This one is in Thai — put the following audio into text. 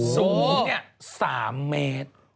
สูงเนี่ย๓เมตร